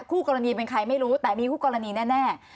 คู่กรณีเป็นใครไม่รู้แต่มีคู่กรณีแน่